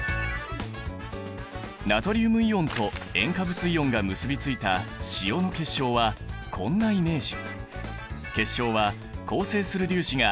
ナトリウムイオンと塩化物イオンが結びついた塩の結晶はこんなイメージ。